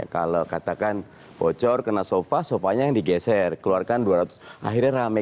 kalau katakan bocor kena sofa sofanya yang digeser keluarkan dua ratus akhirnya rame